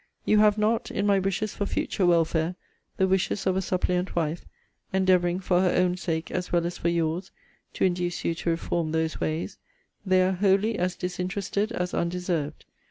You have not, in my wishes for future welfare, the wishes of a suppliant wife, endeavouring for her own sake, as well as for your's, to induce you to reform those ways. They are wholly as disinterested as undeserved.